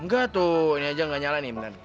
enggak tuh ini aja nggak nyala nih bener